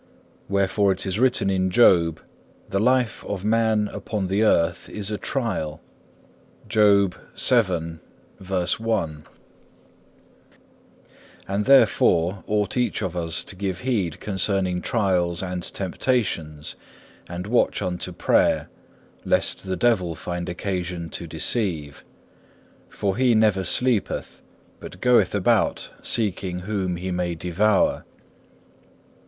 Wherefore it is written in Job, The life of man upon the earth is a trial.(1) And therefore ought each of us to give heed concerning trials and temptations, and watch unto prayer, lest the devil find occasion to deceive; for he never sleepeth, but goeth about seeking whom he may devour.